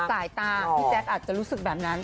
สายตาพี่แจ๊คอาจจะรู้สึกแบบนั้น